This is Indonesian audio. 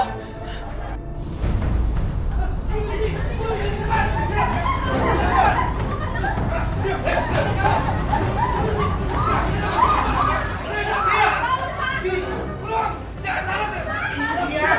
tunggu ibu aku